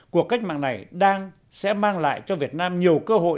cuộc cách mạng này đang sẽ mang lại cho việt nam nhiều cơ hội